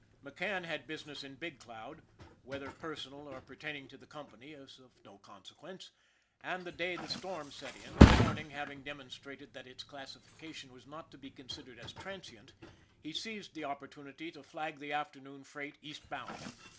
McCann had business in Big Cloud, whether per sonal or pertaining to the company is of no conse quence, and the day the storm set in the morning having demonstrated that its classification was not to be considered as transient he seized the opportunity to flag the afternoon freight eastbound.